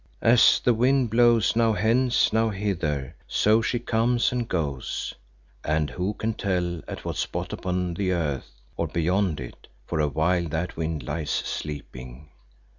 As the wind blows now hence, now hither, so she comes and goes, and who can tell at what spot upon the earth, or beyond it, for a while that wind lies sleeping?